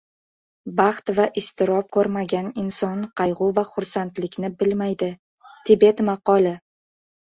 Baxt va iztirob ko‘rmagan inson qayg‘u va xursandlikni bilmaydi. Tibet maqoli